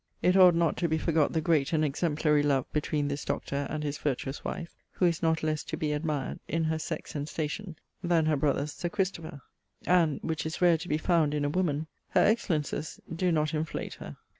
It ought not to be forgott the great and exemplary love between this Doctor and his vertuose wife, who is not lesse to be admired, in her sex and station, then her brother Sir Christopher; and (which is rare to be found in a woman) her excellences doe not inflate her.